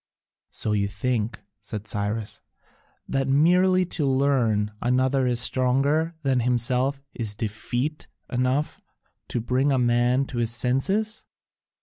"So you think," said Cyrus, "that merely to learn another is stronger than himself is defeat enough to bring a man to his senses?"